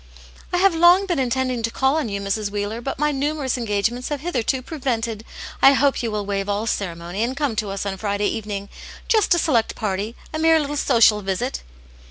" I have long been intending to call on you, Mrs. Wheeler, but my numerous engagements have hitherto prevented. I hope you will waive all ceremony and come to us on Friday evening ; just a select party ; a mere little social visit."